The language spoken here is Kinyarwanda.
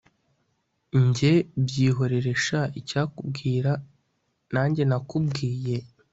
Njye byihorere sha icyakubwira Nanjye nakubwiye